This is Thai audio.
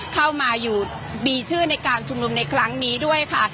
เข้ามาอยู่มีชื่อในการชุมนุมในครั้งนี้ด้วยค่ะ